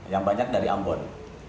yang banyak dari ambon